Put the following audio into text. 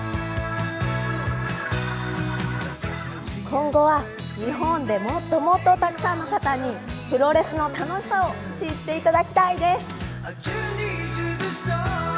今後は日本でもっともっとたくさんの方にプロレスの楽しさを知っていただきたいです。